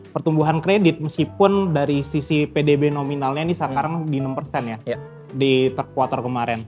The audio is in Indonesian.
pertumbuhan kredit meskipun dari sisi pdb nominalnya ini sekarang di enam persen ya di terkuater kemarin